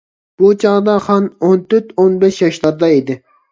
بۇ چاغدا خان ئون تۆت-ئون بەش ياشلاردا ئىدى.